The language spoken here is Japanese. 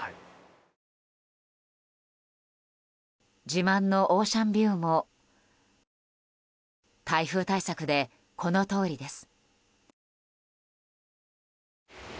自慢のオーシャンビューも台風対策で、このとおりです。